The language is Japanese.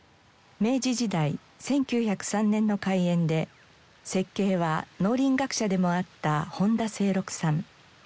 明治時代１９０３年の開園で設計は農林学者でもあった本多静六さん。